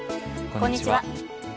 こんにちは。